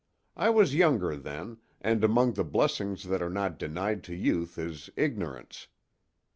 I was younger then, and among the blessings that are not denied to youth is ignorance.